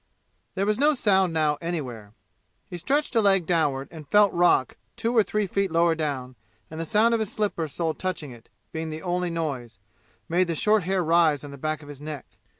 There was no sound now anywhere. He stretched a leg downward and felt a rock two or three feet lower down, and the sound of his slipper sole touching it, being the only noise, made the short hair rise on the back of his neck.